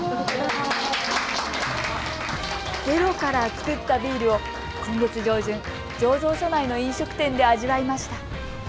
ゼロから造ったビールを今月上旬、醸造所内の飲食店で味わいました。